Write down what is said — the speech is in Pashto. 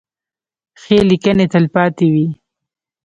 ښې لیکنې تلپاتې وي.